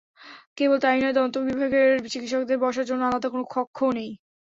কেবল তা-ই নয়, দন্ত বিভাগের চিকিৎসকদের বসার জন্য আলাদা কোনো কক্ষও নেই।